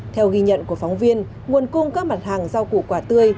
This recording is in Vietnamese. theo ghi nhận của phóng viên nguồn cung các mặt hàng rau củ quả tươi